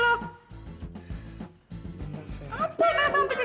ngapain lu nampak mpd gue